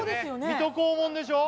「水戸黄門」でしょ？